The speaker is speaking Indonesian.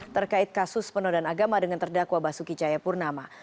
terkait kasus penodan agama dengan terdakwa basuki cahaya purnama